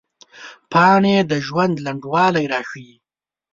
پاڼې د ژوند لنډوالي راښيي